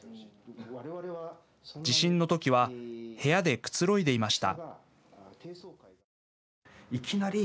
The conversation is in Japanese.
地震のときは、部屋でくつろいでいました。